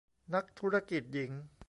นักธุรกิจหญิง